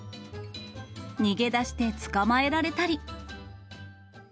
逃げ出して捕まえられたり。